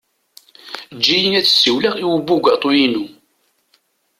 Eǧǧ-iyi ad ssiwleɣ i ubugaṭu-inu.